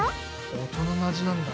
大人の味なんだ。